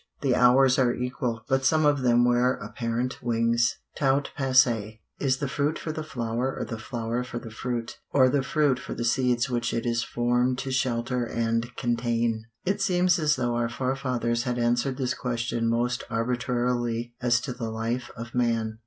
The hours are equal; but some of them wear apparent wings. Tout passe. Is the fruit for the flower, or the flower for the fruit, or the fruit for the seeds which it is formed to shelter and contain? It seems as though our forefathers had answered this question most arbitrarily as to the life of man.